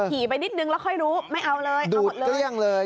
ให้ผีไปนิดหนึ่งแล้วค่อยรู้ไม่เอาเลยดูดเกลี้ยงเลย